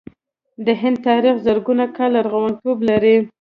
د هند تاریخ زرګونه کاله لرغونتوب لري.